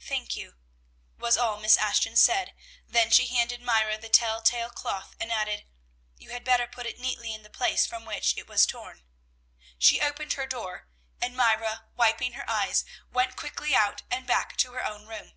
"Thank you," was all Miss Ashton said, then she handed Myra the tell tale cloth, and added, "You had better put it neatly in the place from which it was torn." She opened her door, and Myra, wiping her eyes, went quickly out and back to her room.